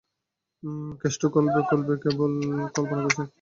কেষ্ট কলবে কলবে কেবল কল্পনা করছে।